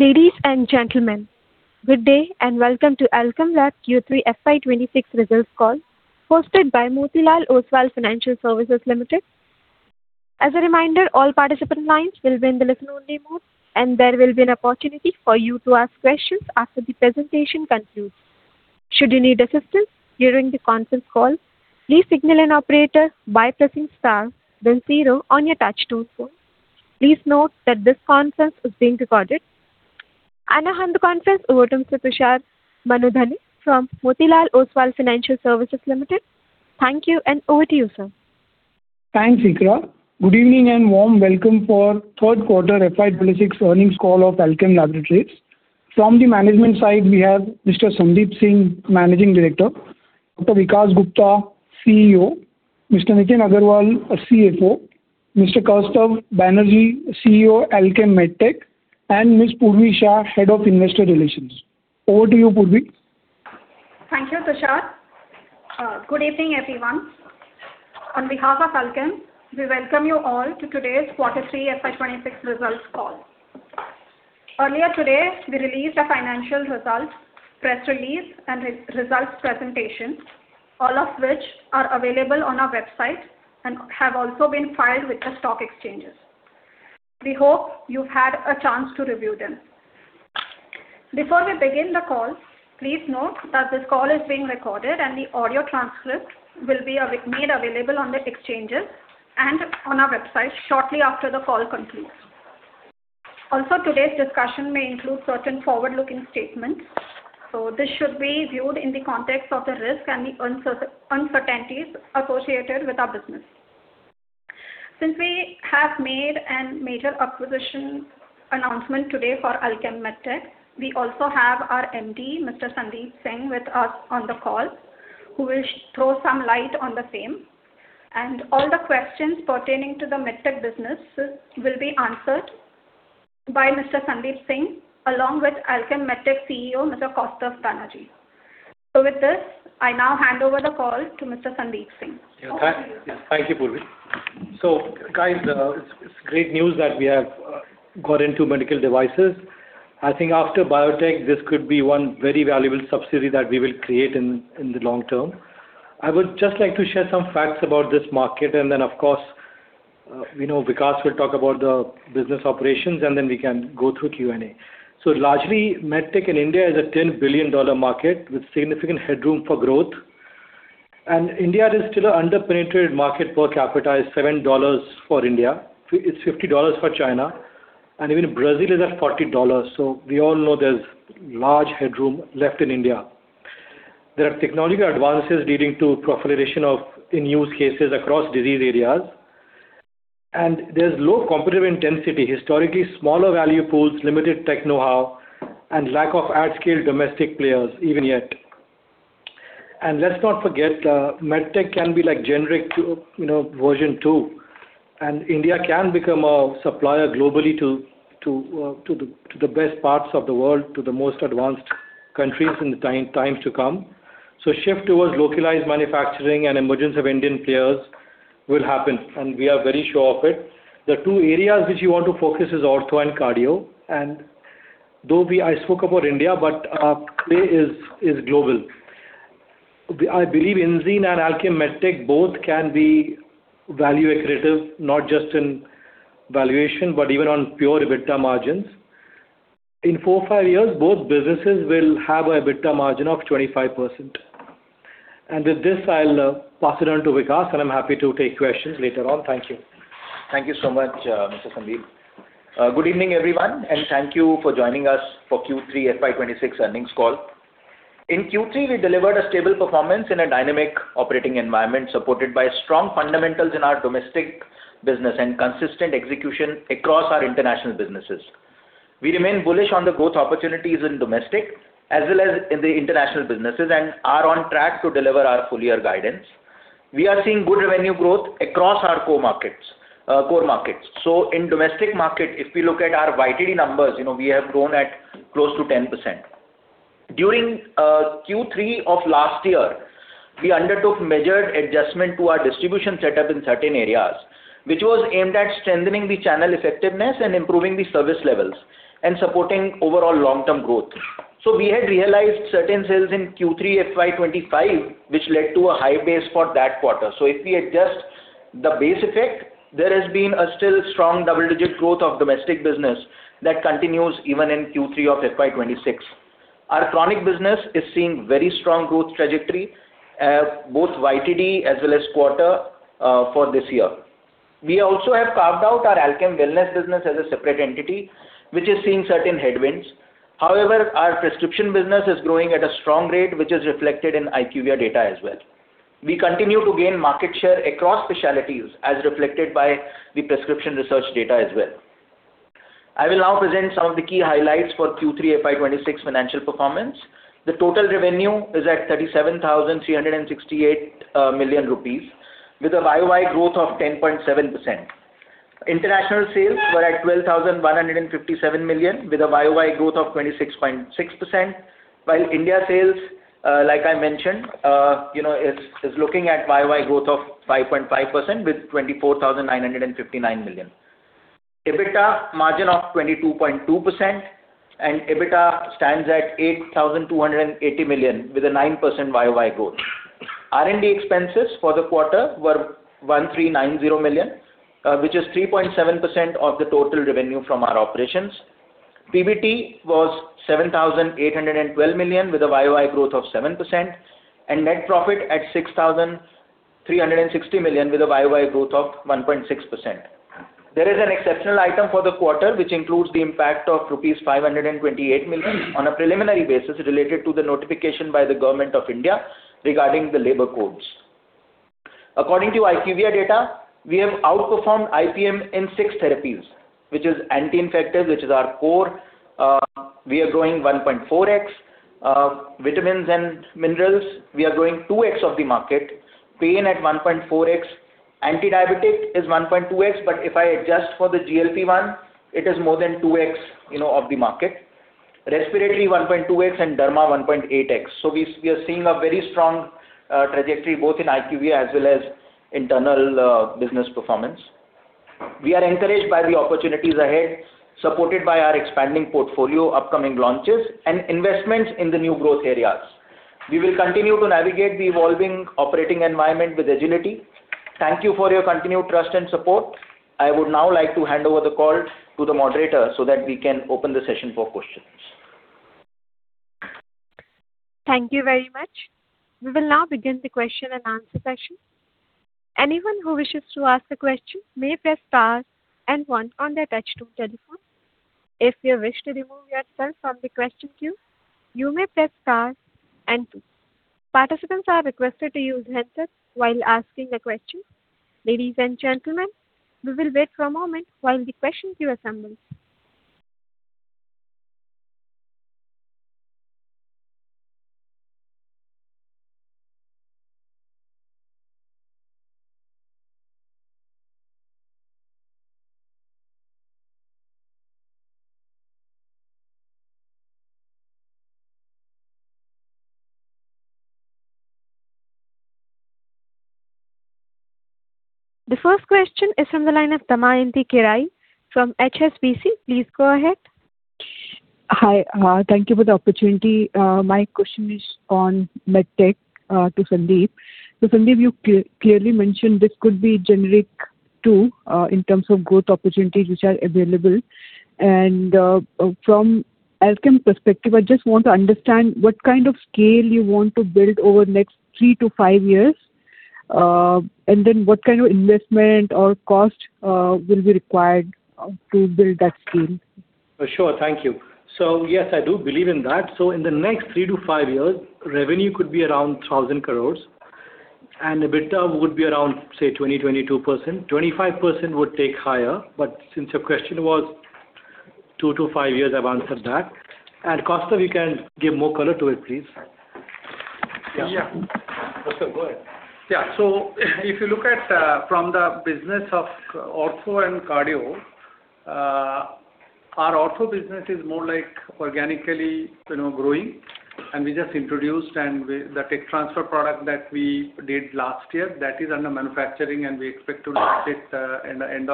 Ladies and gentlemen, good day, and welcome to Alkem Laboratories Q3 FY 2026 Results Call, hosted by Motilal Oswal Financial Services Ltd. As a reminder, all participant lines will be in the listen-only mode, and there will be an opportunity for you to ask questions after the presentation concludes. Should you need assistance during the conference call, please signal an operator by pressing star then zero on your touchtone phone. Please note that this conference is being recorded. I hand the conference over to Mr. Tushar Manudhane from Motilal Oswal Financial Services Ltd. Thank you, and over to you, sir. Thanks, Ikra. Good evening and warm welcome for Third Quarter FY 2026 Earnings Call of Alkem Laboratories. From the management side, we have Mr. Sandeep Singh, Managing Director, Dr. Vikas Gupta, CEO, Mr. Nitin Agrawal, CFO, Mr. Kaustav Banerjee, CEO, Alkem Medtech, and Ms. Purvi Shah, Head of Investor Relations. Over to you, Purvi. Thank you, Tushar. Good evening, everyone. On behalf of Alkem, we welcome you all to today's Quarter Three FY 2026 Results Call. Earlier today, we released our financial results, press release, and results presentation, all of which are available on our website and have also been filed with the stock exchanges. We hope you've had a chance to review them. Before we begin the call, please note that this call is being recorded, and the audio transcript will be made available on the exchanges and on our website shortly after the call concludes. Also, today's discussion may include certain forward-looking statements, so this should be viewed in the context of the risk and the uncertainties associated with our business. Since we have made a major acquisition announcement today for Alkem Medtech, we also have our MD, Mr. Sandeep Singh, with us on the call, who will throw some light on the same. And all the questions pertaining to the Medtech business will be answered by Mr. Sandeep Singh, along with Alkem Medtech CEO, Mr. Kaustav Banerjee. So with this, I now hand over the call to Mr. Sandeep Singh. Yeah. Thank you, Purvi. So guys, it's great news that we have got into medical devices. I think after biotech, this could be one very valuable subsidiary that we will create in the long term. I would just like to share some facts about this market, and then, of course, you know, Vikas will talk about the business operations, and then we can go through Q&A. So largely, Medtech in India is a $10 billion market with significant headroom for growth, and India is still an underpenetrated market. Per capita is $7 for India. It's $50 for China, and even Brazil is at $40, so we all know there's large headroom left in India. There are technological advances leading to proliferation of in-use cases across disease areas, and there's low competitive intensity. Historically, smaller value pools, limited tech know-how, and lack of at-scale domestic players even yet. And let's not forget, Medtech can be like Generic Two, you know, Version 2.0, and India can become a supplier globally to the, to the best parts of the world, to the most advanced countries in the times to come. So shift towards localized manufacturing and emergence of Indian players will happen, and we are very sure of it. The two areas which you want to focus is ortho and cardio, and though we-- I spoke about India, but, play is global. I believe Enzene and Alkem Medtech both can be value accretive, not just in valuation, but even on pure EBITDA margins. In four to five years, both businesses will have an EBITDA margin of 25%. With this, I'll pass it on to Vikas, and I'm happy to take questions later on. Thank you. Thank you so much, Mr. Sandeep. Good evening, everyone, and thank you for joining us for Q3 FY 2026 Earnings Call. In Q3, we delivered a stable performance in a dynamic operating environment, supported by strong fundamentals in our domestic business and consistent execution across our international businesses. We remain bullish on the growth opportunities in domestic as well as in the international businesses and are on track to deliver our full-year guidance. We are seeing good revenue growth across our core markets, core markets. In domestic market, if we look at our YTD numbers, you know, we have grown at close to 10%. During Q3 of last year, we undertook major adjustment to our distribution setup in certain areas, which was aimed at strengthening the channel effectiveness and improving the service levels and supporting overall long-term growth. So we had realized certain sales in Q3 FY 2025, which led to a high base for that quarter. So if we adjust the base effect, there has been a still strong double-digit growth of domestic business that continues even in Q3 of FY 2026. Our chronic business is seeing very strong growth trajectory, both YTD as well as quarter, for this year. We also have carved out our Alkem Wellness business as a separate entity, which is seeing certain headwinds. However, our prescription business is growing at a strong rate, which is reflected in IQVIA data as well. We continue to gain market share across specialties, as reflected by the prescription research data as well. I will now present some of the key highlights for Q3 FY 2026 financial performance. The total revenue is at 37,368 million rupees, with a YOY growth of 10.7%. International sales were at 12,157 million, with a YOY growth of 26.6%, while India sales, like I mentioned, you know, is looking at YOY growth of 5.5% with 24,959 million. EBITDA margin of 22.2%, and EBITDA stands at 8,280 million, with a 9% YOY growth. R&D expenses for the quarter were 1,390 million, which is 3.7% of the total revenue from our operations. PBT was 7,812 million, with a YOY growth of 7%, and net profit at 6,360 million, with a YOY growth of 1.6%. There is an exceptional item for the quarter, which includes the impact of rupees 528 million, on a preliminary basis related to the notification by the government of India regarding the labor codes. According to IQVIA data, we have outperformed IPM in six therapies, which is anti-infective, which is our core. We are growing 1.4x. Vitamins and minerals, we are growing 2x of the market. Pain at 1.4x. Anti-diabetic is 1.2x, but if I adjust for the GLP-1, it is more than 2x, you know, of the market. Respiratory, 1.2x, and Derma, 1.8x. So we, we are seeing a very strong trajectory, both in IQVIA as well as internal business performance. We are encouraged by the opportunities ahead, supported by our expanding portfolio, upcoming launches and investments in the new growth areas. We will continue to navigate the evolving operating environment with agility. Thank you for your continued trust and support. I would now like to hand over the call to the moderator, so that we can open the session for questions. Thank you very much. We will now begin the question-and answer-session. Anyone who wishes to ask the question may press star and one on their touchtone telephone. If you wish to remove yourself from the question queue, you may press star and two. Participants are requested to use handsets while asking a question. Ladies and gentlemen, we will wait for a moment while the question queue assembles. The first question is from the line of Damayanti Kerai from HSBC. Please go ahead. Hi, thank you for the opportunity. My question is on Medtech, to Sandeep. So Sandeep, you clearly mentioned this could be generic, too, in terms of growth opportunities which are available. And, from Alkem perspective, I just want to understand what kind of scale you want to build over the next three to five years? And then what kind of investment or cost will be required to build that scale? For sure. Thank you. So yes, I do believe in that. So in the next three to five years, revenue could be around 1,000 crore, and EBITDA would be around, say, 20%-22%. 25% would take higher, but since your question was two to five years, I've answered that. And, Kaustav, you can give more color to it, please. Yeah. Kaustav, go ahead. Yeah. So if you look at from the business of Ortho and Cardio, our Ortho business is more like organically, you know, growing, and we just introduced. The tech transfer product that we did last year, that is under manufacturing, and we expect to launch it in the end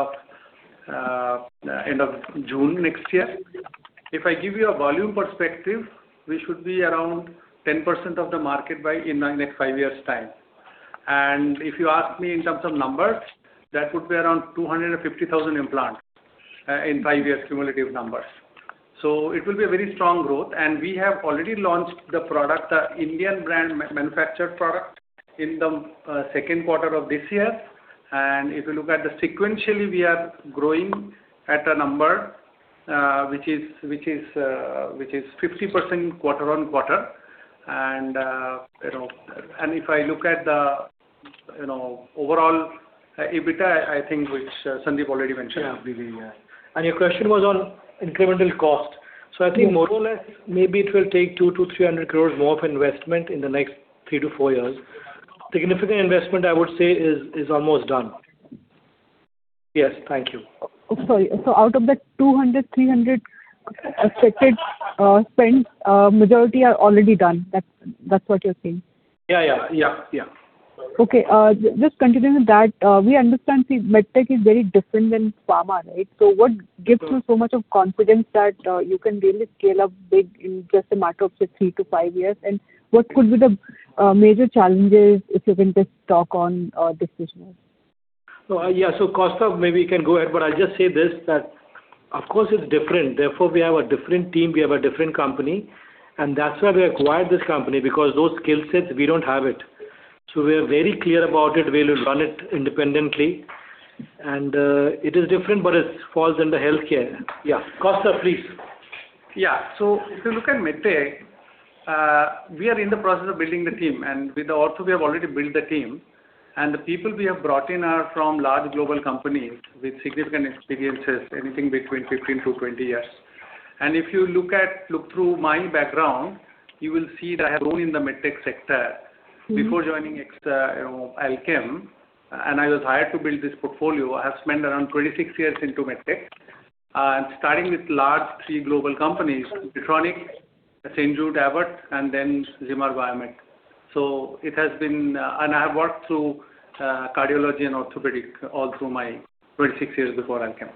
of June next year. If I give you a volume perspective, we should be around 10% of the market by in the next five years' time. And if you ask me in terms of numbers, that would be around 250,000 implants in five years' cumulative numbers. So it will be a very strong growth, and we have already launched the product, the Indian brand manufactured product, in the second quarter of this year. And if you look at the sequentially, we are growing at a number, which is 50% quarter-over-quarter. And, you know, and if I look at the, you know, overall EBITDA, I think, which Sandeep already mentioned. And your question was on incremental cost. So I think more or less, maybe it will take 200-300 crore more of investment in the next 3-4 years. Significant investment, I would say is, is almost done. Yes, thank you. Sorry. So out of the 200-300 crore expected spends, majority are already done. That's, that's what you're saying? Yeah, yeah. Yeah, yeah. Okay, just continuing with that, we understand the Medtech is very different than pharma, right? So what gives you so much of confidence that you can really scale up big in just a matter of three to five years? And what could be the major challenges, if you can just talk on this business? So, yeah, so Kaustav, maybe you can go ahead, but I'll just say this, that of course it's different. Therefore, we have a different team, we have a different company, and that's why we acquired this company, because those skill sets, we don't have it. So we are very clear about it. We will run it independently, and it is different, but it falls under healthcare. Yeah. Kaustav, please. Yeah. So if you look at Medtech, we are in the process of building the team, and with the ortho we have already built the team. The people we have brought in are from large global companies with significant experiences, anything between 15-20 years. If you look through my background, you will see that I have grown in the Medtech sector before joining X, Alkem, and I was hired to build this portfolio. I have spent around 26 years into Medtech, starting with large three global companies, Medtronic, St. Jude Medical, and then Zimmer Biomet. So it has been, and I have worked through, cardiology and orthopedic all through my 26 years before Alkem.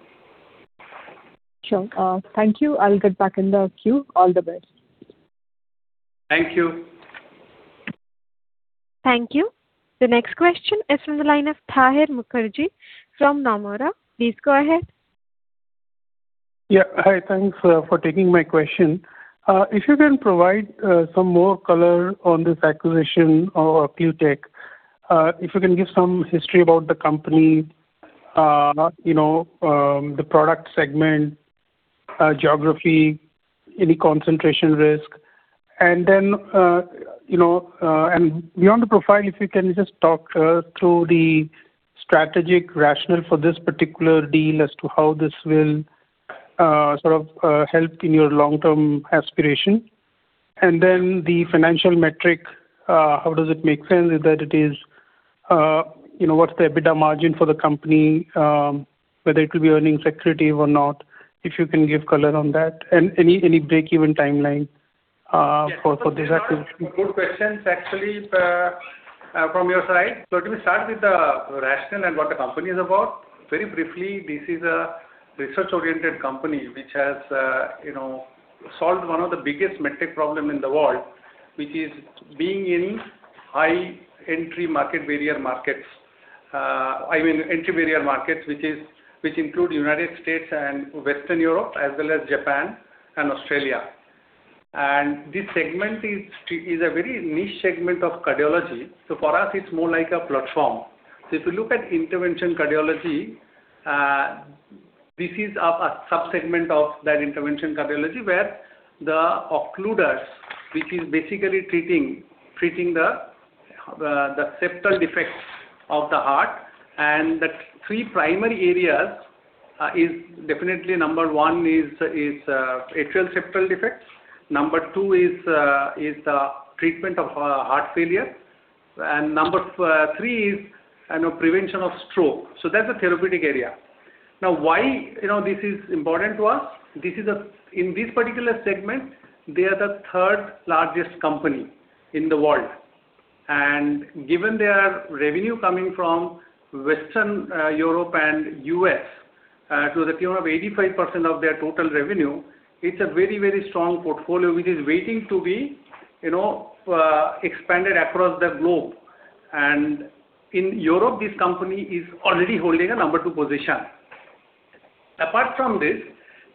Sure. Thank you. I'll get back in the queue. All the best. Thank you. Thank you. The next question is from the line of Saion Mukherjee from Nomura. Please go ahead. Yeah. Hi, thanks for taking my question. If you can provide some more color on this acquisition of Occlutech. If you can give some history about the company, you know, the product segment, geography, any concentration risk, and then, you know, and beyond the profile, if you can just talk through the strategic rationale for this particular deal as to how this will sort of help in your long-term aspiration. And then the financial metric, how does it make sense? Is that it is, you know, what's the EBITDA margin for the company? Whether it will be earnings accretive or not, if you can give color on that, and any, any break-even timeline for, for this acquisition. Good questions, actually, from your side. So let me start with the rationale and what the company is about. Very briefly, this is a research-oriented company, which has, you know, solved one of the biggest Medtech problem in the world, which is being in high entry market barrier markets. I mean, entry barrier markets, which include United States and Western Europe, as well as Japan and Australia. And this segment is a very niche segment of cardiology, so for us, it's more like a platform. So if you look at intervention cardiology, this is a subsegment of that intervention cardiology, where the occluders, which is basically treating the septal defects of the heart. And the three primary areas is definitely number one is atrial septal defects. Number two is the treatment of heart failure, and number three is, you know, prevention of stroke. So that's a therapeutic area. Now, why, you know, this is important to us? This is a— In this particular segment, they are the third-largest company in the world, and given their revenue coming from Western Europe and U.S., to the tune of 85% of their total revenue, it's a very, very strong portfolio, which is waiting to be, you know, expanded across the globe. And in Europe, this company is already holding a number two position. Apart from this,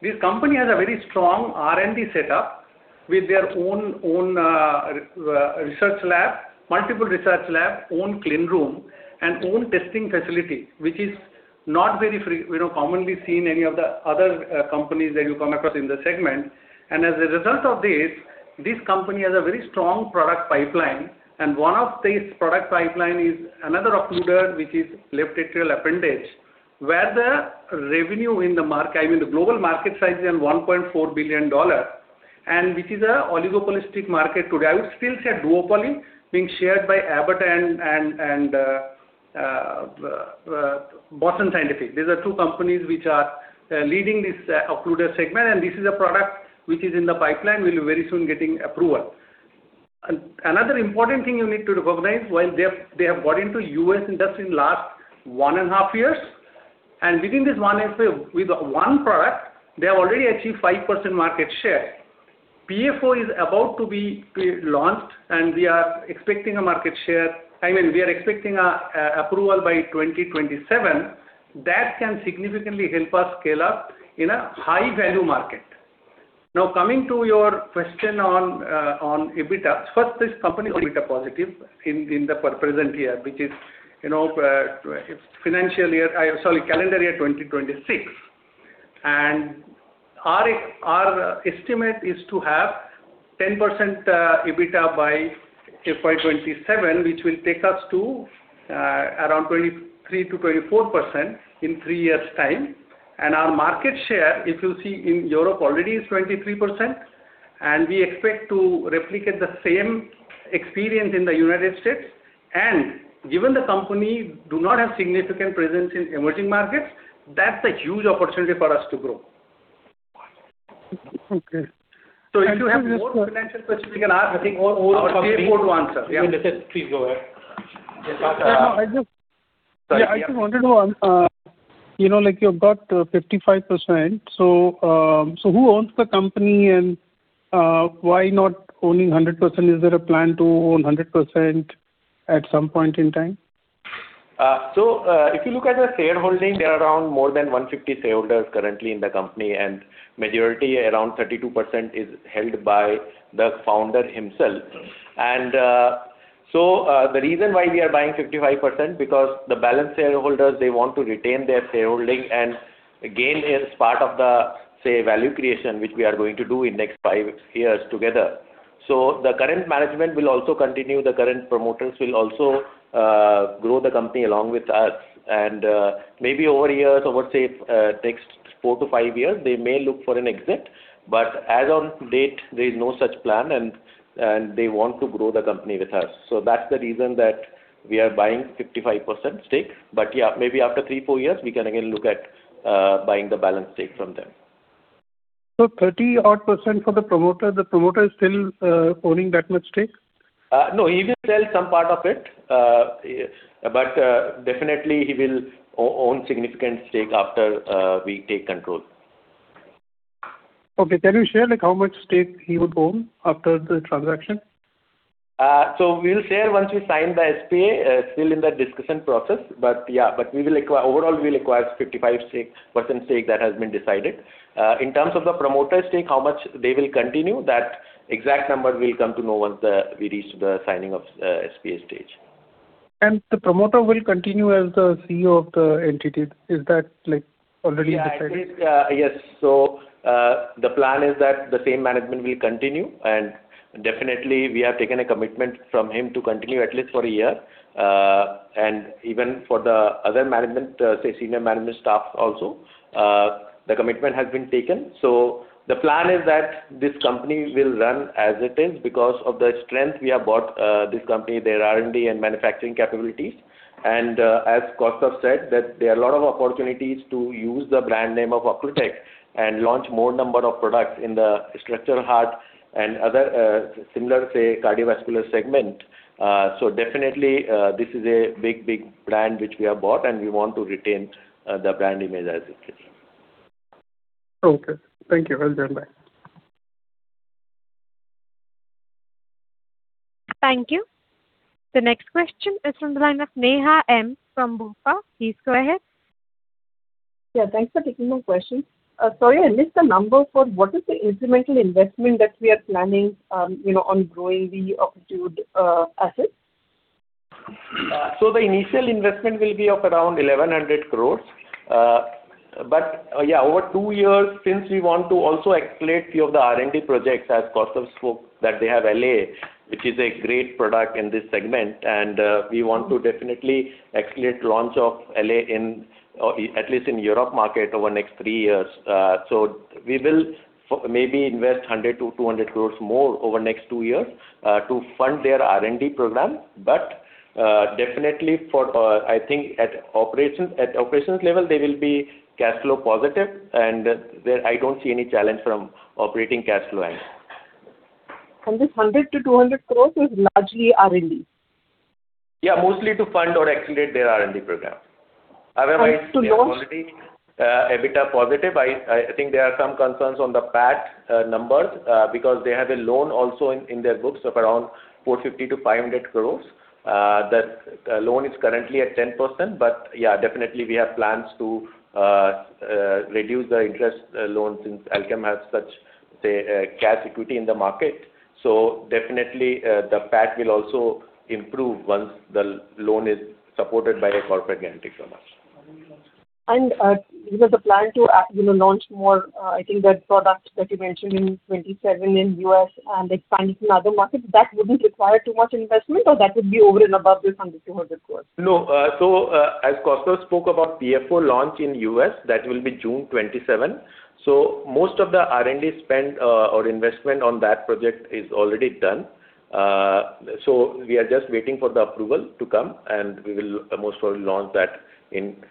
this company has a very strong R&D setup with their own, own, research lab, multiple research lab, own clean room, and own testing facility, which is not very, you know, commonly seen any of the other, companies that you come across in the segment. As a result of this, this company has a very strong product pipeline, and one of these product pipeline is another occluder, which is left atrial appendage, where, I mean, the global market size is $1.4 billion, and which is an oligopolistic market today. I would still say duopoly, being shared by Abbott and Boston Scientific. These are two companies which are leading this occluder segment, and this is a product which is in the pipeline, will be very soon getting approval. Another important thing you need to recognize, while they have got into US industry in last one and a half years, and within this 1.5 years, with one product, they have already achieved 5% market share. PFO is about to be launched, and we are expecting a market share. I mean, we are expecting a approval by 2027. That can significantly help us scale up in a high-value market. Now, coming to your question on EBITDA. First, this company is EBITDA positive in the present year, which is, you know, financially year, sorry, calendar year 2026. And our estimate is to have 10% EBITDA by FY 2027, which will take us to around 23%-24% in three years' time. Our market share, if you see in Europe, already is 23%, and we expect to replicate the same experience in the United States. Given the company do not have significant presence in emerging markets, that's a huge opportunity for us to grow. Okay. If you have more financial questions, you can ask. I think all of us are able to answer. Please go ahead. Yeah, I just, yeah, I just wanted to, you know, like, you've got, 55%, so who owns the company, and, why not owning 100%? Is there a plan to own 100% at some point in time? So, if you look at the shareholding, there are around more than 150 shareholders currently in the company, and majority, around 32%, is held by the founder himself. And, so, the reason why we are buying 55%, because the balance shareholders, they want to retain their shareholding, and again, as part of the, say, value creation, which we are going to do in next five years together. So the current management will also continue, the current promoters will also, grow the company along with us. And, maybe over years or, let's say, next four to five years, they may look for an exit, but as on date, there's no such plan, and, and they want to grow the company with us. So that's the reason that. We are buying 55% stake, but yeah, maybe after three to four years, we can again look at buying the balance stake from them. 30-odd% for the promoter, the promoter is still owning that much stake? No, he will sell some part of it, but definitely he will own significant stake after we take control. Okay. Can you share, like, how much stake he would own after the transaction? So we'll share once we sign the SPA, still in the discussion process. But yeah, but we will acquire, overall, we'll acquire 55% stake that has been decided. In terms of the promoter stake, how much they will continue, that exact number we'll come to know once we reach the signing of SPA stage. The promoter will continue as the CEO of the entity. Is that, like, already decided? Yeah, I think, yes. So, the plan is that the same management will continue, and definitely we have taken a commitment from him to continue at least for a year. And even for the other management, say, senior management staff also, the commitment has been taken. So the plan is that this company will run as it is because of the strength we have bought, this company, their R&D and manufacturing capabilities. And, as Kaustav said, that there are a lot of opportunities to use the brand name of Occlutech and launch more number of products in the structural heart and other, similar, say, cardiovascular segment. So definitely, this is a big, big brand which we have bought, and we want to retain, the brand image as it is. Okay. Thank you. Well done. Bye. Thank you. The next question is from the line of Neha M from BofA. Please go ahead. Yeah, thanks for taking my question. Sorry, I missed the number for what is the incremental investment that we are planning, you know, on growing the Occlutech asset? So the initial investment will be of around 1,100 crores. But yeah, over two years, since we want to also accelerate few of the R&D projects, as Kaustav spoke, that they have LAA, which is a great product in this segment, and we want to definitely accelerate launch of LAA in at least in Europe market over the next three years. So we will maybe invest 100 crores-200 crores more over the next two years to fund their R&D program. But definitely for, I think at operations, at operations level, they will be cash flow positive, and there I don't see any challenge from operating cash flow end. This 100 crores-200 crores is largely R&D? Yeah, mostly to fund or accelerate their R&D program. Otherwise- And to launch- They are already EBITDA positive. I think there are some concerns on the PAT numbers because they have a loan also in their books of around 450 crores-500 crores. That loan is currently at 10%, but yeah, definitely we have plans to reduce the interest loan since Alkem has such, say, cash equity in the market. So definitely the PAT will also improve once the loan is supported by a corporate guarantee so much. Is there the plan to, you know, launch more, I think that product that you mentioned in 2027 in U.S. and expand it in other markets, that wouldn't require too much investment, or that would be over and above this 100 crores-200 crores? No. So, as Kaustav spoke about PFO launch in U.S., that will be June 2027. So most of the R&D spend, or investment on that project is already done. So we are just waiting for the approval to come, and we will most probably launch that in June,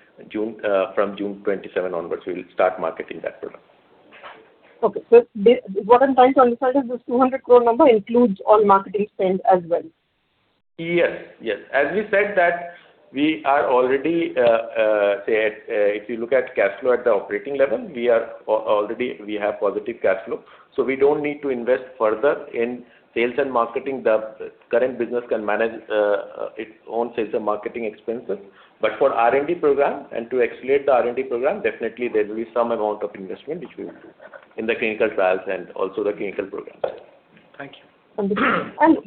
from June 2027 onwards, we'll start marketing that product. Okay. So what I'm trying to understand is, this 200 crore number includes all marketing spend as well? Yes, yes. As we said that we are already, say, if you look at cash flow at the operating level, we are already we have positive cash flow, so we don't need to invest further in sales and marketing. The current business can manage its own sales and marketing expenses. But for R&D program and to accelerate the R&D program, definitely there will be some amount of investment which we will do in the clinical trials and also the clinical programs. Thank you.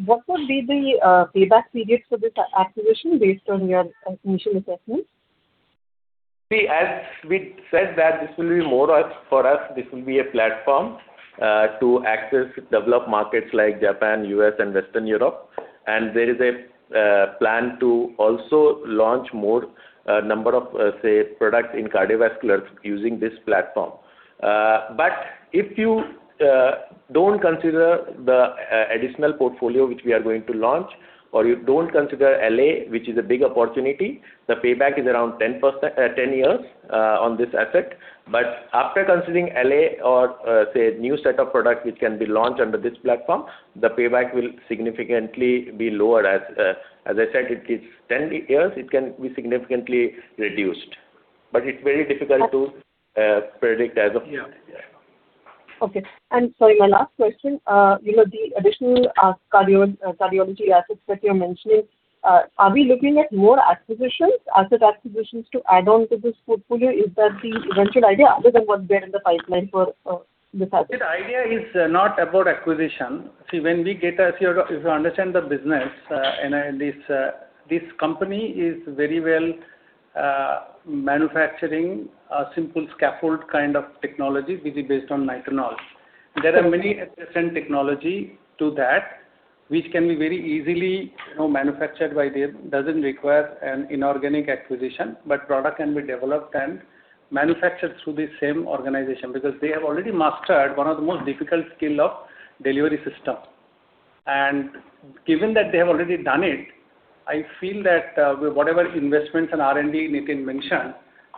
What would be the payback period for this acquisition based on your initial assessment? See, as we said, that this will be more for us, this will be a platform to access developed markets like Japan, U.S., and Western Europe. And there is a plan to also launch more number of, say, products in cardiovascular using this platform. But if you don't consider the additional portfolio, which we are going to launch, or you don't consider LAA, which is a big opportunity, the payback is around 10 years on this asset. But after considering LAA or, say, new set of products which can be launched under this platform, the payback will significantly be lower. As, as I said, it is 10 years, it can be significantly reduced, but it's very difficult to predict as of yet. Okay, and sorry, my last question, you know, the additional, Cardio, Cardiology assets that you're mentioning, are we looking at more acquisitions, asset acquisitions to add on to this portfolio? Is that the eventual idea other than what's there in the pipeline for this asset? The idea is not about acquisition. See, when we get a-- If you understand the business, and this company is very well manufacturing a simple scaffold kind of technology, which is based on nitinol. There are many adjacent technology to that, which can be very easily, you know, manufactured by them, doesn't require an inorganic acquisition, but product can be developed and manufactured through the same organization. Because they have already mastered one of the most difficult skill of delivery system. And given that they have already done it, I feel that, whatever investments and R&D Nitin mentioned,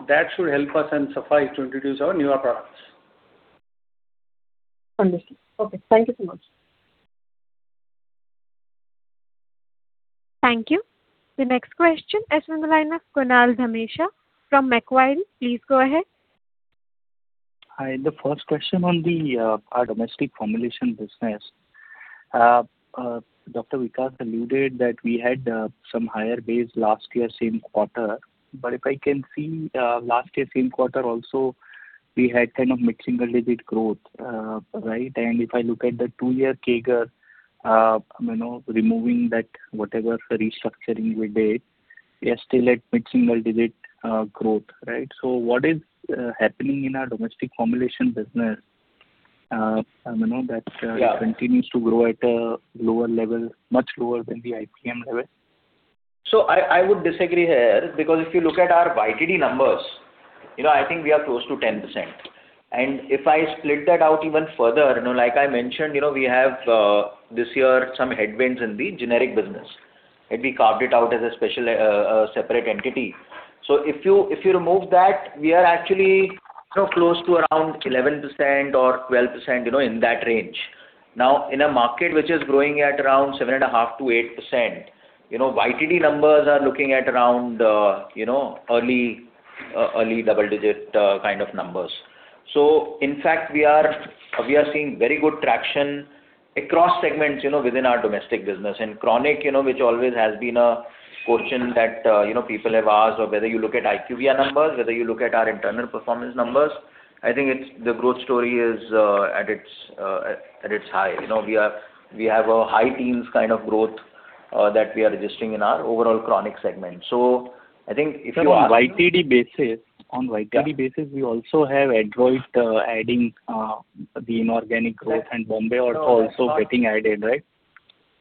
that should help us and suffice to introduce our newer products. Understood. Okay, thank you so much. Thank you. The next question is from the line of Kunal Dhamesha from Macquarie. Please go ahead. Hi, the first question on the, our domestic formulation business. Dr. Vikas alluded that we had, some higher base last year, same quarter. But if I can see, last year, same quarter also, we had kind of mid-single-digit growth, right? And if I look at the two-year CAGR, you know, removing that, whatever restructuring we did, we are still at mid-single-digit, growth, right? So what is, happening in our domestic formulation business, you know, that continues to grow at a lower level, much lower than the IPM level? So I, I would disagree here, because if you look at our YTD numbers, you know, I think we are close to 10%. And if I split that out even further, you know, like I mentioned, you know, we have, this year, some headwinds in the generic business, and we carved it out as a special, separate entity. So if you, if you remove that, we are actually, you know, close to around 11% or 12%, you know, in that range. Now, in a market which is growing at around 7.5%-8%, you know, YTD numbers are looking at around, you know, early, early double-digit, kind of numbers. So in fact, we are, we are seeing very good traction across segments, you know, within our domestic business. Chronic, you know, which always has been a portion that, you know, people have asked or whether you look at IQVIA numbers, whether you look at our internal performance numbers, I think it's the growth story is at its high. You know, we have a high teens kind of growth that we are registering in our overall chronic segment. So I think if you are- On YTD basis. Yeah We also have Adroit adding the inorganic growth and Adroit also getting added, right?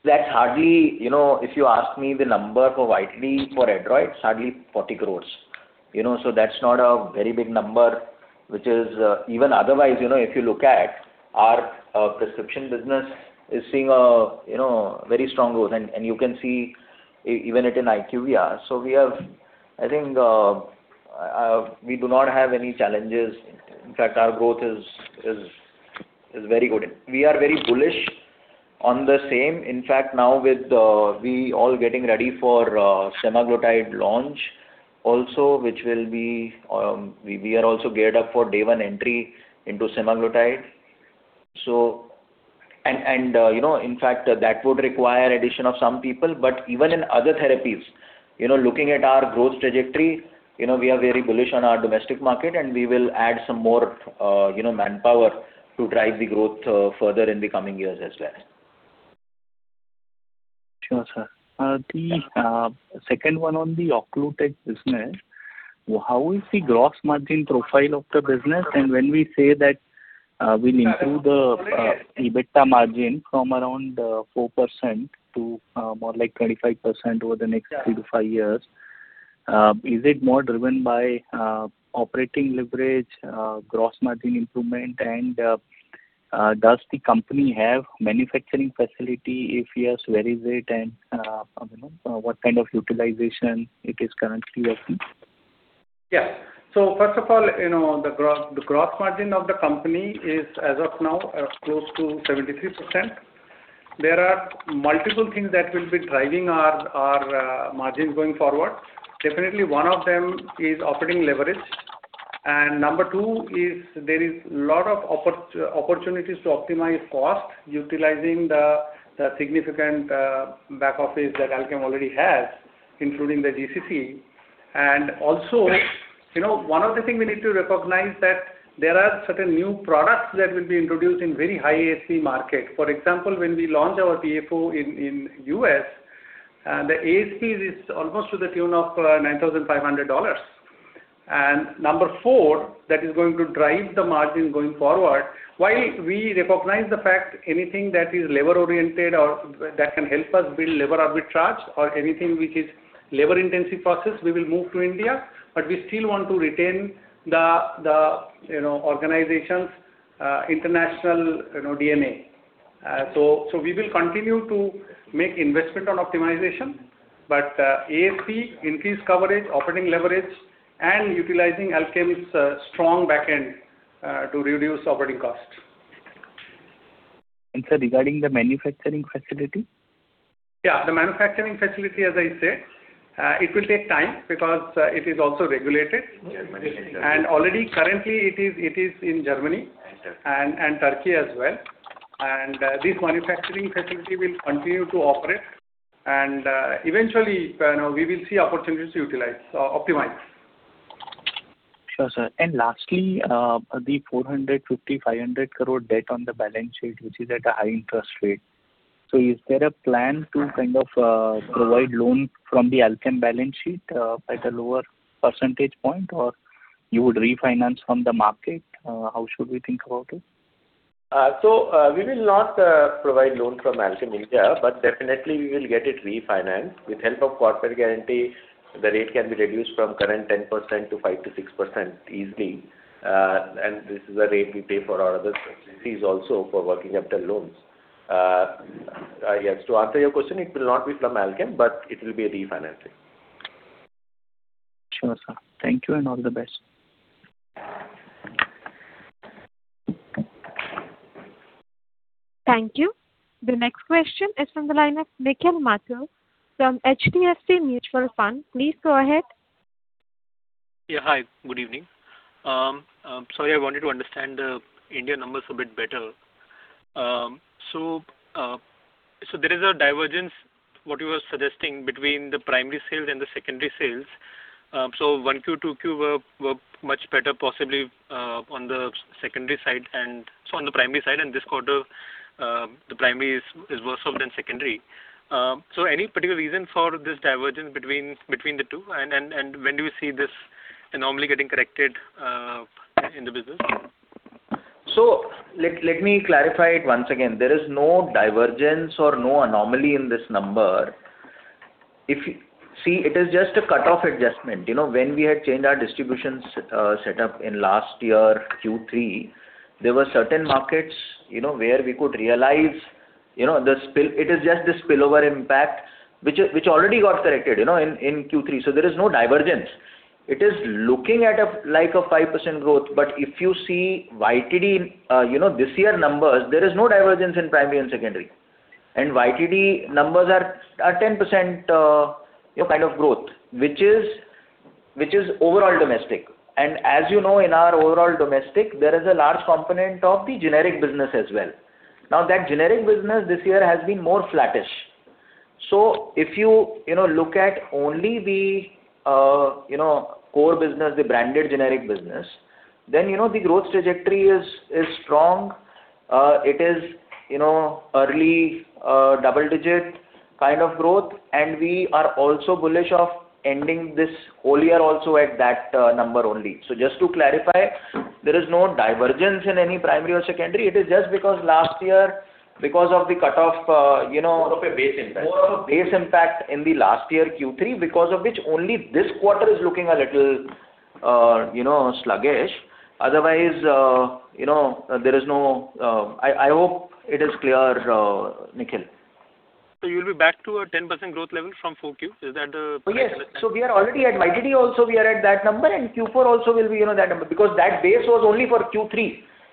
That's hardly, you know, if you ask me the number for YTD for Adroit, it's hardly 40 crore. You know, so that's not a very big number, which is even otherwise, you know, if you look at our prescription business is seeing a you know very strong growth, and you can see even it in IQVIA. So we have, I think, we do not have any challenges. In fact, our growth is very good. We are very bullish on the same. In fact, now with we all getting ready for semaglutide launch also, which will be, we are also geared up for day one entry into semaglutide. You know, in fact, that would require addition of some people, but even in other therapies, you know, looking at our growth trajectory, you know, we are very bullish on our domestic market, and we will add some more, you know, manpower to drive the growth further in the coming years as well. Sure, sir. The second one on the Occlutech business, how is the gross margin profile of the business? And when we say that, we'll improve the EBITDA margin from around 4% to more like 25% over the next three to five years, is it more driven by operating leverage, gross margin improvement? And does the company have manufacturing facility? If yes, where is it, and you know, what kind of utilization it is currently working? Yeah. So first of all, you know, the gross, the gross margin of the company is, as of now, close to 73%. There are multiple things that will be driving our, our, margins going forward. Definitely, one of them is operating leverage. And number two is there is a lot of opportunities to optimize cost, utilizing the, the significant, back office that Alkem already has, including the GCC. And also, you know, one of the things we need to recognize that there are certain new products that will be introduced in very high AC market. For example, when we launch our PFO in U.S., the ASP is almost to the tune of, $9,500. And number four, that is going to drive the margin going forward, while we recognize the fact anything that is labor-oriented or that can help us build labor arbitrage or anything which is labor-intensive process, we will move to India, but we still want to retain the you know organization's international you know DNA. So we will continue to make investment on optimization, but ASP, increased coverage, operating leverage, and utilizing Alkem's strong back end to reduce operating costs. Sir, regarding the manufacturing facility? Yeah, the manufacturing facility, as I said, it will take time because it is also regulated. Already currently, it is in Germany and Turkey as well. And, this manufacturing facility will continue to operate, and, eventually, we will see opportunities to utilize, optimize. Sure, sir. And lastly, the 450 crore-500 crore debt on the balance sheet, which is at a high interest rate. So is there a plan to kind of, provide loan from the Alkem balance sheet, at a lower percentage point, or you would refinance from the market? How should we think about it? So, we will not provide loan from Alkem India, but definitely we will get it refinanced. With help of corporate guarantee, the rate can be reduced from current 10% to 5%-6% easily. And this is the rate we pay for our other specialties also for working capital loans. Yes, to answer your question, it will not be from Alkem, but it will be a refinancing. Sure, sir. Thank you, and all the best. Thank you. The next question is from the line of Nikhil Mathur from HDFC Mutual Fund. Please go ahead. Yeah. Hi, good evening. So I wanted to understand the India numbers a bit better. There is a divergence, what you were suggesting between the primary sales and the secondary sales. 1Q, 2Q were much better, possibly, on the secondary side, and so on the primary side, and this quarter, the primary is worse off than secondary. Any particular reason for this divergence between the two? When do you see this anomaly getting corrected in the business? So let me clarify it once again. There is no divergence or no anomaly in this number. See, it is just a cut-off adjustment. You know, when we had changed our distribution setup in last year, Q3, there were certain markets, you know, where we could realize, you know, the spillover impact, which already got corrected, you know, in Q3, so there is no divergence. It is looking at, like, a 5% growth. But if you see YTD, you know, this year numbers, there is no divergence in primary and secondary. And YTD numbers are 10%, kind of growth, which is overall domestic. And as you know, in our overall domestic, there is a large component of the generic business as well. Now, that generic business this year has been more flattish. So if you, you know, look at only the, you know, core business, the branded generic business, then you know the growth trajectory is, is strong. It is, you know, early, double-digit kind of growth, and we are also bullish of ending this whole year also at that, number only. So just to clarify, there is no divergence in any primary or secondary. It is just because last year, because of the cut-off, you know- More of a base impact. More of a base impact in the last year, Q3, because of which only this quarter is looking a little, you know, sluggish. Otherwise, you know, there is no... I hope it is clear, Nikhil. You'll be back to a 10% growth level from 4Q. Is that the- Yes. So we are already at YTD also, we are at that number, and Q4 also will be, you know, that number, because that base was only for Q3,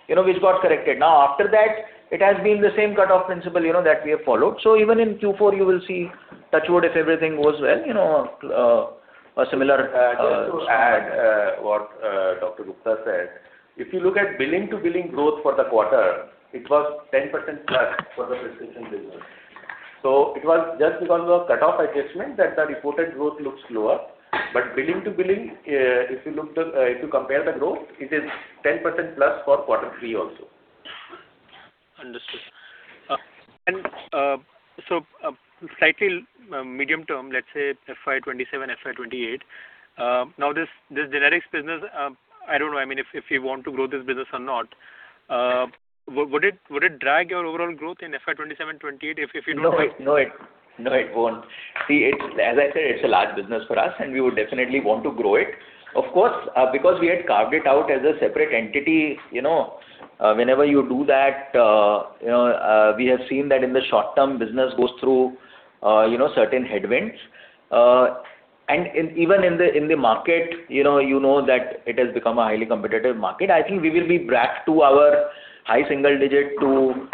you know, which got corrected. Now, after that, it has been the same cut-off principle, you know, that we have followed. So even in Q4, you will see, touch wood, if everything goes well, you know, a similar, Add what Dr. Gupta said. If you look at billing to billing growth for the quarter, it was 10%+ for the prescription business. So it was just because of cut-off adjustment that the reported growth looks lower. But billing to billing, if you compare the growth, it is 10%+ for quarter three also. Understood. Slightly medium term, let's say FY 2027, FY 2028. Now, this generics business, I don't know, I mean, if you want to grow this business or not. Would it drag your overall growth in FY 2027, 2028 if you don't-- No, it won't. See, as I said, it's a large business for us, and we would definitely want to grow it. Of course, because we had carved it out as a separate entity, you know, whenever you do that, you know, we have seen that in the short term, business goes through, you know, certain headwinds. And even in the market, you know, you know that it has become a highly competitive market. I think we will be back to our high single digit to,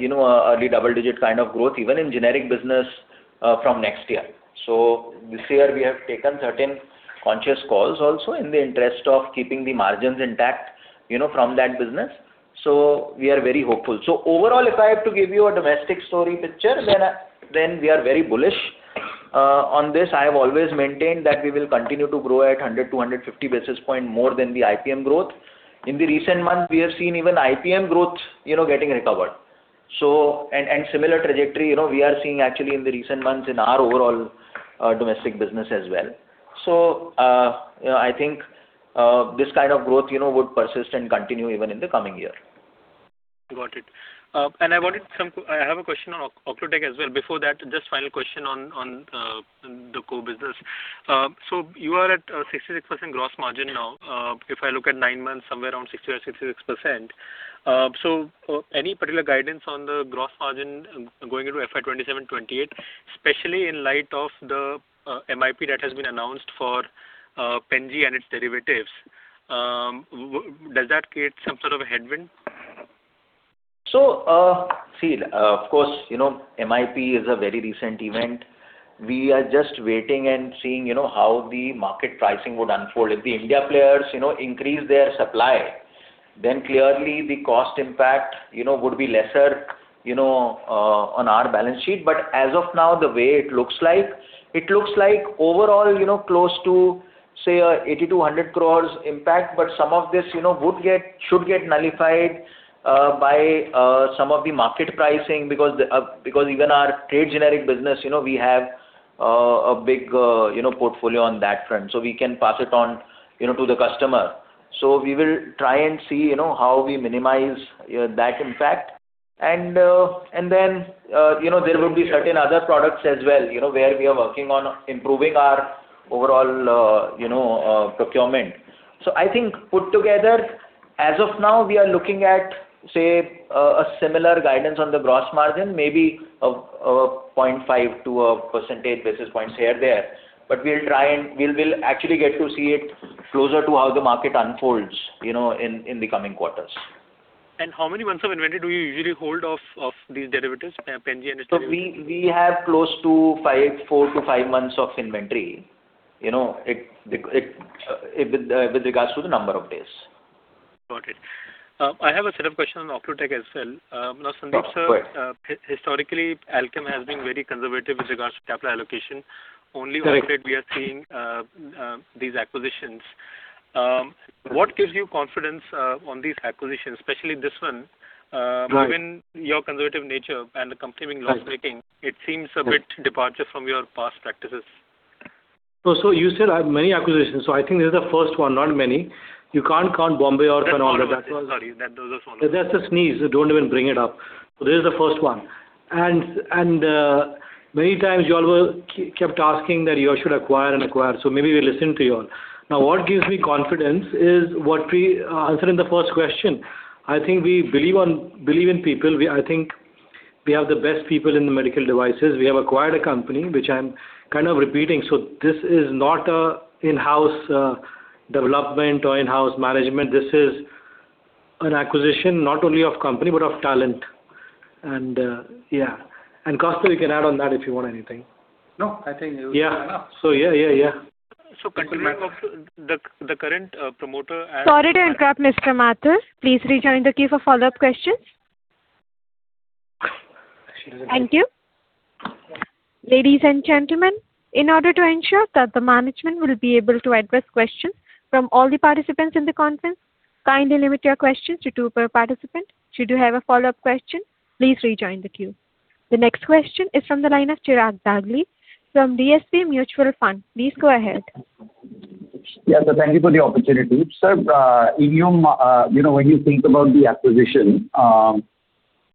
you know, early double-digit kind of growth, even in generic business, from next year. So this year we have taken certain conscious calls also in the interest of keeping the margins intact, you know, from that business. So we are very hopeful. So overall, if I have to give you a domestic story picture, then I, then we are very bullish. On this, I have always maintained that we will continue to grow at 100-150 basis points more than the IPM growth. In the recent months, we have seen even IPM growth, you know, getting recovered. And similar trajectory, you know, we are seeing actually in the recent months in our overall, domestic business as well. So, you know, I think, this kind of growth, you know, would persist and continue even in the coming year. Got it. And I wanted some... I have a question on Occlutech as well. Before that, just final question on, on, the core business. So you are at a 66% gross margin now. If I look at nine months, somewhere around 60% or 66%. So, any particular guidance on the gross margin going into FY 2027, 2028, especially in light of the, MIP that has been announced for, PenG and its derivatives? Does that create some sort of a headwind? So, of course, you know, MIP is a very recent event. We are just waiting and seeing, you know, how the market pricing would unfold. If the India players, you know, increase their supply, then clearly the cost impact, you know, would be lesser, you know, on our balance sheet. But as of now, the way it looks like, it looks like overall, you know, close to, say, 80 crore-100 crore impact, but some of this, you know, would get, should get nullified by some of the market pricing, because even our trade generic business, you know, we have a big, you know, portfolio on that front, so we can pass it on, you know, to the customer. So we will try and see, you know, how we minimize that impact. And then, you know, there would be certain other products as well, you know, where we are working on improving our overall, you know, procurement. So I think put together, as of now, we are looking at, say, a similar guidance on the gross margin, maybe 0.5-1 percentage basis points here and there. But we'll try and we'll, we'll actually get to see it closer to how the market unfolds, you know, in the coming quarters. How many months of inventory do you usually hold off these derivatives, PenG and- We have close to five, four to five months of inventory. You know, it with regards to the number of days. Got it. I have a set of questions on Occlutech as well. Now, Sandeep, sir, historically, Alkem has been very conservative with regards to capital allocation. Correct. Only recently we are seeing these acquisitions. What gives you confidence on these acquisitions, especially this one? Given your conservative nature and the accompanying risk-taking, it seems a bit departure from your past practices. So, you said I have many acquisitions, so I think this is the first one, not many. You can't count Bombay or- Sorry, that was just one. That's a sneeze. Don't even bring it up. So this is the first one. And many times you all kept asking that you all should acquire and acquire, so maybe we listened to you all. Now, what gives me confidence is what we answered in the first question. I think we believe in people. I think we have the best people in the medical devices. We have acquired a company, which I'm kind of repeating, so this is not a in-house development or in-house management. This is an acquisition not only of company, but of talent. And yeah, and Kaustav, you can add on that, if you want anything. No, I think you- Yeah. Enough. So, yeah, yeah, yeah. Continuing off the current promoter as-- Sorry to interrupt, Mr. Mathur. Please rejoin the queue for follow-up questions. Thank you. Ladies and gentlemen, in order to ensure that the management will be able to address questions from all the participants in the conference, kindly limit your questions to two per participant. Should you have a follow-up question, please rejoin the queue. The next question is from the line of Chirag Dagli from DSP Mutual Fund. Please go ahead. Yeah, so thank you for the opportunity. Sir, you know, when you think about the acquisition,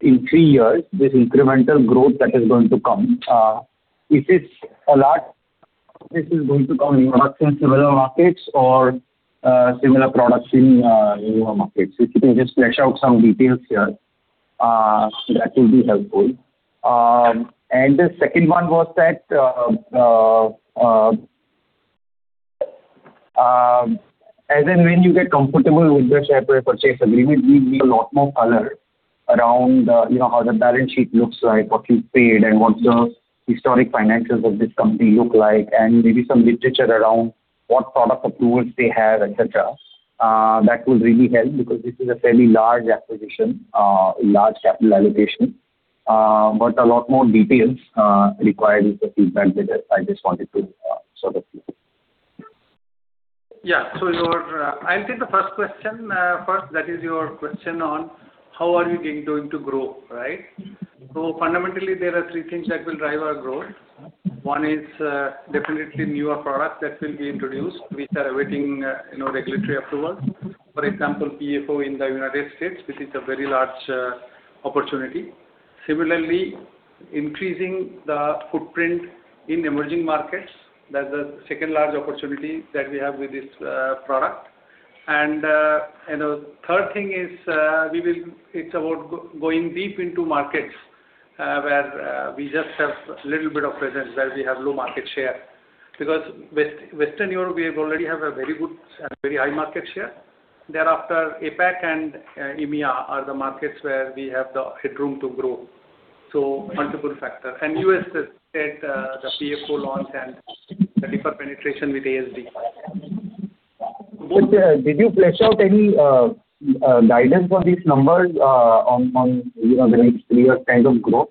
in three years, this incremental growth that is going to come, if it's a lot, this is going to come in several markets or, similar products in, newer markets. If you can just flesh out some details here, that will be helpful. And the second one was that, as and when you get comfortable with the Share Purchase Agreement, we need a lot more color around, you know, how the balance sheet looks like, what you paid, and what the historic finances of this company look like, and maybe some literature around what product approvals they have, et cetera. That will really help, because this is a fairly large acquisition, large capital allocation, but a lot more details required with the feedback that I just wanted to sort of. Yeah. So your, I'll take the first question, first, that is your question on how are you going to grow, right? So fundamentally, there are three things that will drive our growth. One is, definitely newer products that will be introduced, which are awaiting, you know, regulatory approval. For example, PFO in the United States, which is a very large opportunity. Similarly, increasing the footprint in emerging markets, that's the second large opportunity that we have with this product. And, you know, third thing is, we will. It's about going deep into markets, where we just have a little bit of presence, where we have low market share. Because Western Europe, we already have a very good and very high market share. Thereafter, APAC and EMEA are the markets where we have the headroom to grow. So multiple factors. And U.S., said the PFO launch and the deeper penetration with ASD. Did you flesh out any guidance on these numbers, on the next three years kind of growth?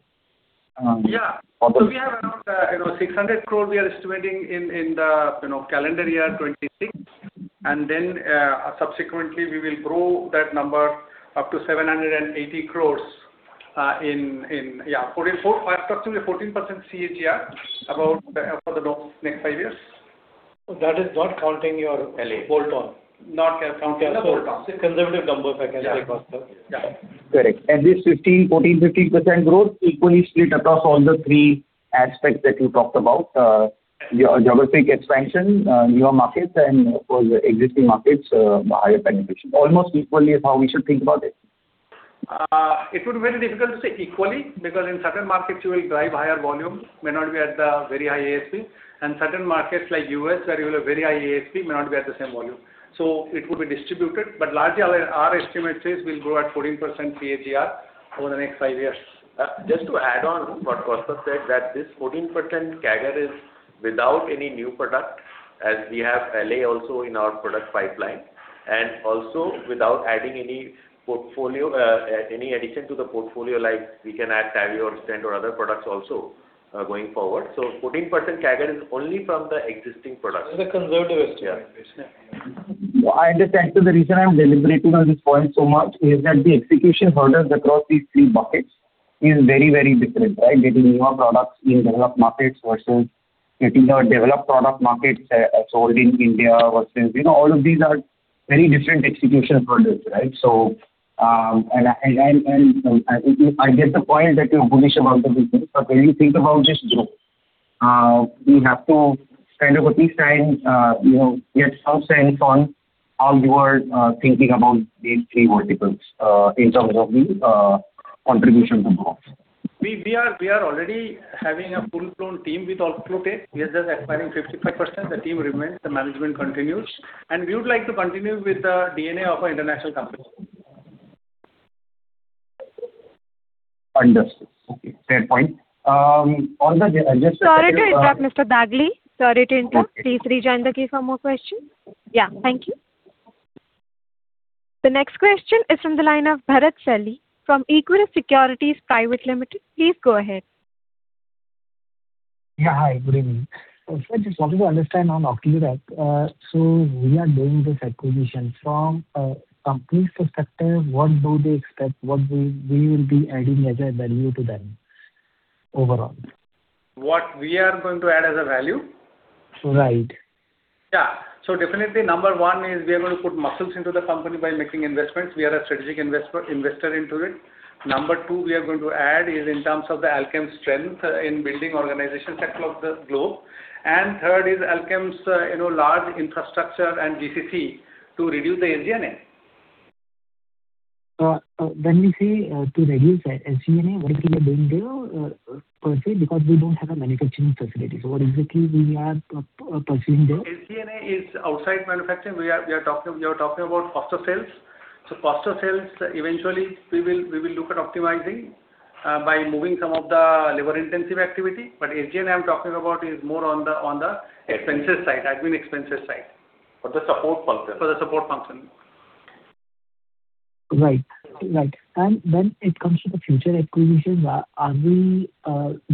Yeah. Okay. So we have around, you know, 600 crore, we are estimating in the, you know, calendar year 2026. And then, subsequently, we will grow that number up to 780 crore approximately 14% CAGR for the next five years. That is not counting your bolt-on. Not counting our bolt-on. Conservative number, if I can say, Kaustav. Yeah. Correct. This 15%, 14, 15% growth equally split across all the three aspects that you talked about, your geographic expansion, newer markets, and of course, existing markets, higher penetration. Almost equally is how we should think about it? It would be very difficult to say equally, because in certain markets, you will drive higher volumes, may not be at the very high ASP, and certain markets like U.S., where you will have very high ASP, may not be at the same volume. So it will be distributed, but largely our, our estimate says we'll grow at 14% CAGR over the next five years. Just to add on what Kaustav said, that this 14% CAGR is without any new product, as we have LAA also in our product pipeline, and also without adding any portfolio, any addition to the portfolio, like we can add TAVI or Stent or other products also, going forward. So 14% CAGR is only from the existing products. It's a conservative estimate. Yeah. I understand. So the reason I'm deliberating on this point so much is that the execution hurdles across these three buckets is very, very different, right? Getting newer products in developed markets versus getting the developed product markets sold in India versus, you know, all of these are very different execution products, right? So, and I get the point that you're bullish about the business, but when you think about just we have to kind of understand, you know, get some sense on how you are thinking about these three multiples in terms of the contribution to growth. We are already having a full-blown team with Occlutech. We are just acquiring 55%. The team remains, the management continues, and we would like to continue with the DNA of an international company. Understood. Okay, fair point. Sorry to interrupt, Mr. Bagli. Sorry to interrupt. Please rejoin the queue for more questions. Yeah, thank you. The next question is from the line of Bharat Celly from Equirus Private Limited. Please go ahead. Yeah, hi, good evening. So I just want to understand on Occlutech, so we are doing this acquisition. From a company's perspective, what do they expect? What we, we will be adding as a value to them overall? What we are going to add as a value? Right. Yeah. So definitely, number one is we are going to put muscles into the company by making investments. We are a strategic investor, investor into it. Number two, we are going to add is in terms of Alkem's strength in building organizations across the globe. And third is Alkem's, you know, large infrastructure and GCC to reduce the SG&A. When you say to reduce the SG&A, what you are doing there per se, because we don't have a manufacturing facility. So what exactly we are pursuing there? SG&A is outside manufacturing. We are talking about faster sales. So faster sales, eventually, we will look at optimizing by moving some of the labor-intensive activity. But SG&A, I'm talking about is more on the expenses side, admin expenses side. For the support function. For the support function. Right. Right. And when it comes to the future acquisitions, are we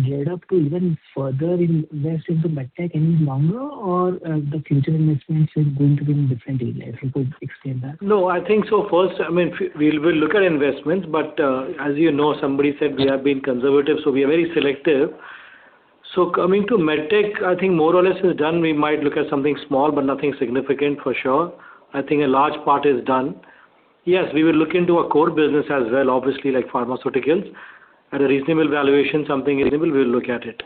geared up to even further invest into Medtech any longer, or the future investments is going to be in different areas? If you could explain that. No, I think so. First, I mean, we, we'll look at investments, but, as you know, somebody said we have been conservative, so we are very selective. So coming to Medtech, I think more or less is done. We might look at something small, but nothing significant for sure. I think a large part is done. Yes, we will look into our core business as well, obviously, like pharmaceuticals. At a reasonable valuation, something reasonable, we will look at it.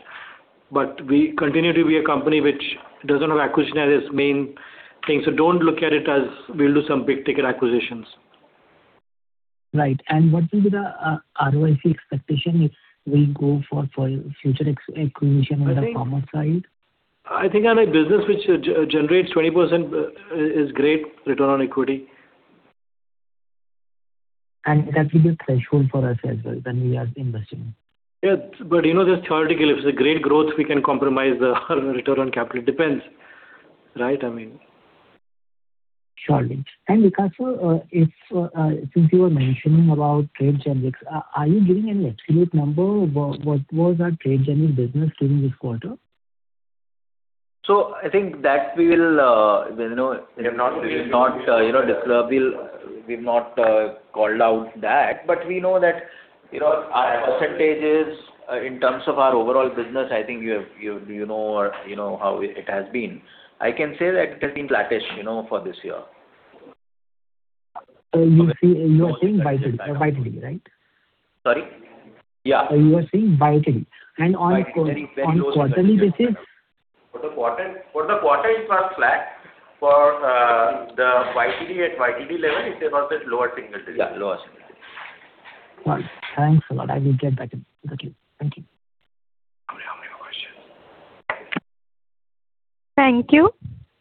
But we continue to be a company which doesn't have acquisition as its main thing, so don't look at it as we'll do some big-ticket acquisitions. Right. And what will be the ROIC expectation if we go for future acquisition on the pharma side? I think on a business which generates 20% is great return on equity. That will be the threshold for us as well, then we are investing. Yes, but you know, just theoretically, if it's a great growth, we can compromise the return on capital. It depends. Right? I mean... Surely. And Vikas, if, since you were mentioning about trade generics, are you giving any absolute number? What was our trade generic business during this quarter? So I think that we will, you know, we will not disclose. We'll, we've not called out that, but we know that, you know, our percentages in terms of our overall business. I think you have, you know, you know how it has been. I can say that it has been flattish, you know, for this year. So you see, you're saying YTD, right? Sorry? Yeah. You are saying YTD. YTD. On quarterly basis? For the quarter, it was flat. For the YTD, at YTD level, it's about a lower-single digit. Yeah, lower-single digit. Well, thanks a lot. I will get back into the queue. Thank you. Thank you.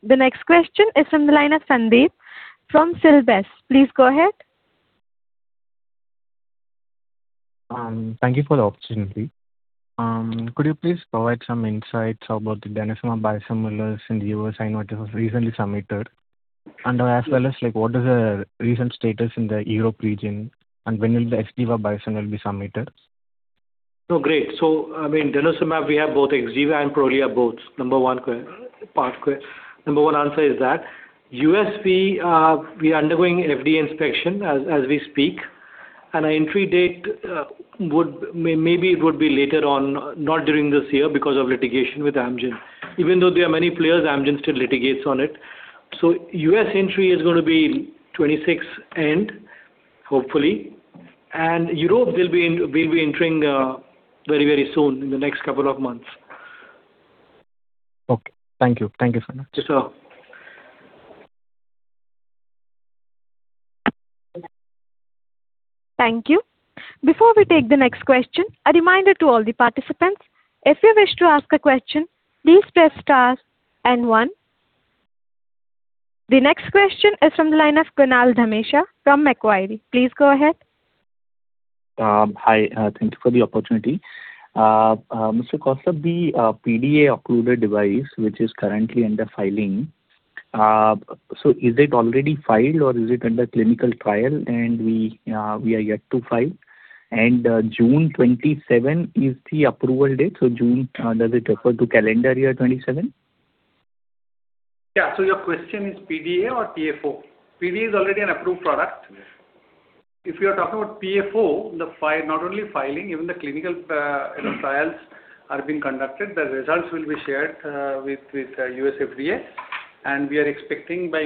The next question is from the line of Sandeep from Silves. Please go ahead. Thank you for the opportunity. Could you please provide some insights about the denosumab biosimilars in the U.S. and what was recently submitted? And as well as, like, what is the recent status in the Europe region, and when will the Xgeva biosimilar be submitted? So, great. So, I mean, denosumab, we have both Xgeva and Prolia, both. Number one answer is that. U.S., we are undergoing FDA inspection as we speak, and our entry date would, maybe it would be later on, not during this year, because of litigation with Amgen. Even though there are many players, Amgen still litigates on it. So U.S. entry is going to be 2026 end, hopefully. And Europe, we'll be in, we'll be entering very, very soon, in the next couple of months. Okay. Thank you. Thank you so much. Sure. Thank you. Before we take the next question, a reminder to all the participants, if you wish to ask a question, please press star and one. The next question is from the line of Kunal Dhamesha from Macquarie. Please go ahead. Hi, thank you for the opportunity. Mr. Kaustav, the PDA occluder device, which is currently under filing, so is it already filed, or is it under clinical trial, and we are yet to file? June 2027 is the approval date, so June, does it refer to calendar year 2027? Yeah. So your question is PDA or PFO? PDA is already an approved product. If you are talking about PFO, the filing, not only filing, even the clinical, you know, trials are being conducted. The results will be shared with the U.S. FDA. We are expecting by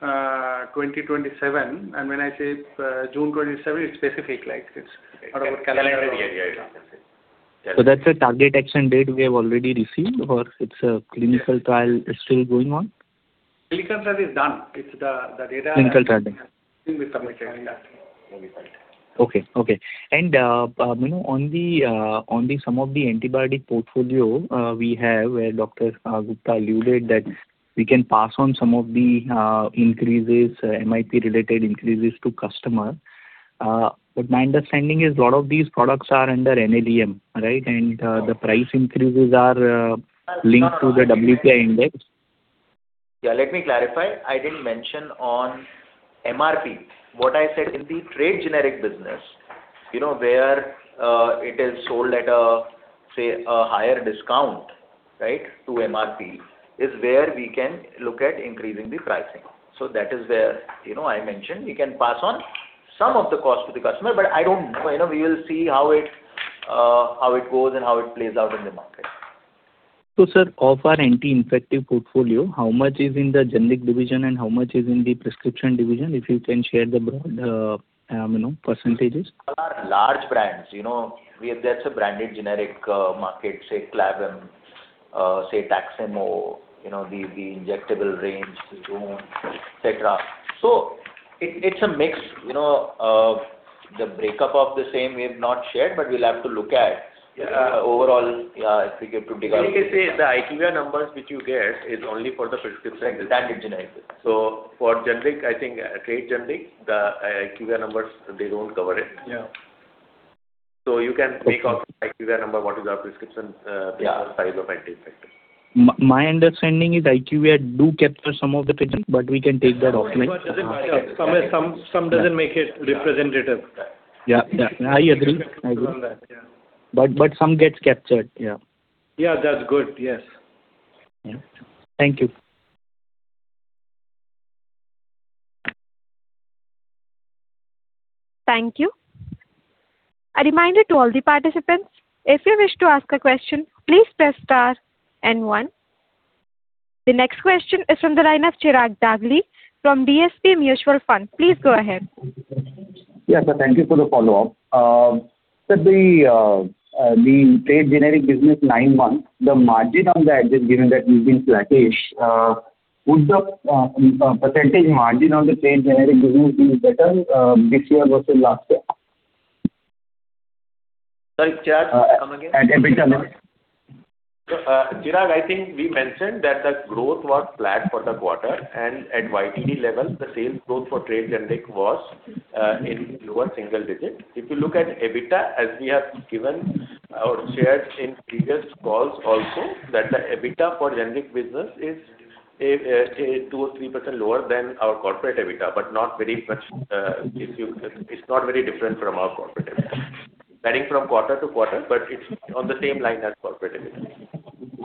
mid-June 2027, and when I say June 2027, it's specific, like, it's out of our calendar. Calendar, yeah, yeah. That's a target action date we have already received, or it's a clinical trial is still going on? Clinical trial is done. It's the data that will be submitted and done. Okay, okay. And, you know, on some of the antibiotic portfolio, we have, where Dr. Gupta alluded that we can pass on some of the increases, MRP-related increases to customer. But my understanding is a lot of these products are under NLEM, right? And, the price increases are linked to the WPI index. Yeah, let me clarify. I didn't mention on MRP. What I said in the trade generic business, you know, where it is sold at a, say, a higher discount, right, to MRP, is where we can look at increasing the pricing. So that is where, you know, I mentioned we can pass on some of the cost to the customer, but I don't know. You know, we will see how it how it goes and how it plays out in the market. So, sir, of our anti-infective portfolio, how much is in the generic division and how much is in the prescription division? If you can share the broad, you know, percentages. Our large brands, you know, we have. That's a branded generic market, say, Clavam, say, Taxim-O, you know, the injectable range, Xone, et cetera. So it, it's a mix, you know, of the breakup of the same we've not shared, but we'll have to look at overall, if we get to dig out. The IQVIA numbers which you get is only for the prescription. Branded generics. So for generic, I think, trade generic, the IQVIA numbers, they don't cover it. Yeah. So you can take off IQVIA number, what is our prescription? Yeah. Size of anti-infective. My understanding is IQVIA do capture some of the prescription, but we can take that offline. Some is, some doesn't make it representative. Yeah, yeah. I agree. I agree. Yeah. But some gets captured, yeah. Yeah, that's good. Yes. Yeah. Thank you. Thank you. A reminder to all the participants, if you wish to ask a question, please press star and one. The next question is from the line of Chirag Dagli from DSP Mutual Fund. Please go ahead. Yes, sir, thank you for the follow-up. Sir, the trade generic business nine months, the margin on that, just given that you've been flattish, would the percentage margin on the trade generic business be better this year versus last year? Sir, Chirag, come again? EBITDA margin. Chirag, I think we mentioned that the growth was flat for the quarter, and at YTD level, the sales growth for trade generic was in lower-single digits. If you look at EBITDA, as we have given or shared in previous calls also, the EBITDA for generic business is 2%-3% lower than our corporate EBITDA, but not very much. It's not very different from our corporate EBITDA. Varying from quarter-to-quarter, but it's on the same line as corporate EBITDA.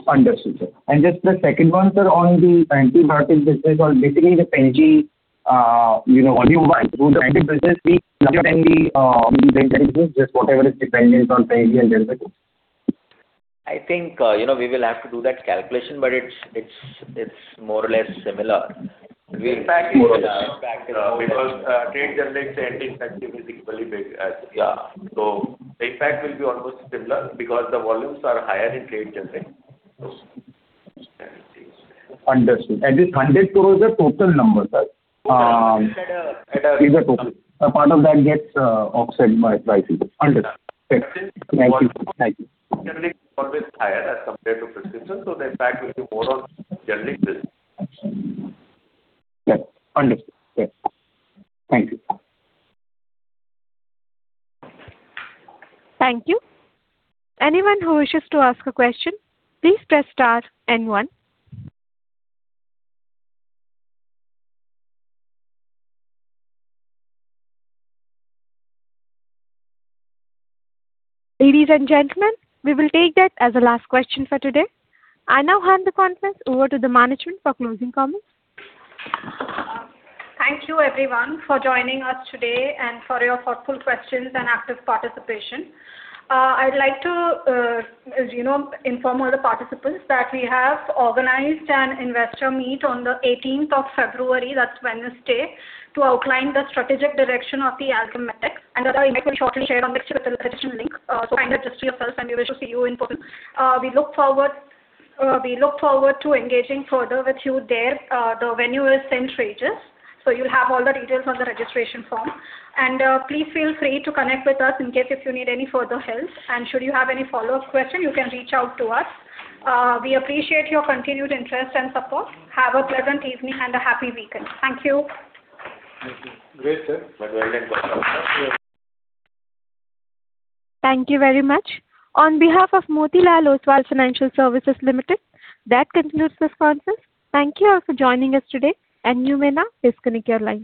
Understood, sir. Just the second one, sir, on the anti-malaria business or basically the PenG, you know, volume through the brand business. We just whatever is dependent on PenG and generic. I think, you know, we will have to do that calculation, but it's more or less similar. In fact, because trade generic and anti-infective is equally big as the impact will be almost similar because the volumes are higher in trade generic. Understood. This INR 100 crore is a total number, sir? It's a total. A part of that gets offset by people. Understood. Okay. Thank you. Thank you. Generic always higher as compared to prescription, so the impact will be more on generic business. Yes, understood. Yes. Thank you. Thank you. Anyone who wishes to ask a question, please press star and one. Ladies and gentlemen, we will take that as the last question for today. I now hand the conference over to the management for closing comments. Thank you, everyone, for joining us today and for your thoughtful questions and active participation. I'd like to, you know, inform all the participants that we have organized an investor meet on the 18th of February, that's Wednesday, to outline the strategic direction of the Alkem Medtech, and the invite will shortly share on the chat with the registration link. So kind of just yourself, and we wish to see you in person. We look forward, we look forward to engaging further with you there. The venue is St. Regis, so you'll have all the details on the registration form. Please feel free to connect with us in case if you need any further help, and should you have any follow-up question, you can reach out to us. We appreciate your continued interest and support. Have a pleasant evening and a happy weekend. Thank you. Thank you. Great, sir. Well done. Thank you very much. On behalf of Motilal Oswal Financial Services Limited, that concludes this conference. Thank you all for joining us today, and you may now disconnect your lines.